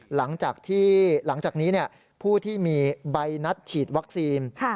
หลังจากที่หลังจากนี้ผู้ที่มีใบนัดฉีดวัคซีน